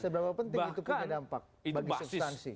seberapa penting itu punya dampak bagi substansi